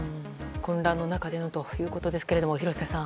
混乱の中ということですが廣瀬さん。